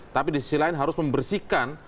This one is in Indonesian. tapi di sisi lain harus membersihkan